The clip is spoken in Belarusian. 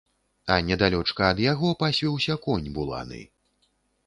А недалёчка ад яго пасвіўся конь буланы.